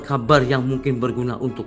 kabar yang mungkin berguna untuk